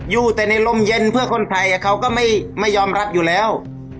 อยู่แต่ในลมเย็นเพื่อคนไทยเขาก็ไม่ยอมรับอยู่แล้ว